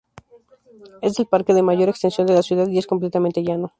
Es el parque de mayor extensión de la ciudad y es completamente llano.